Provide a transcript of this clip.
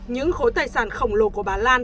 những khối tài sản khổng lồ của bà lan